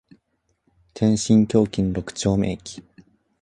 天津橋筋六丁目駅